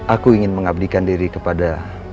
aku ingin mengabdikan diri kepada